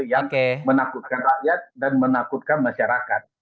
yang menakutkan rakyat dan menakutkan masyarakat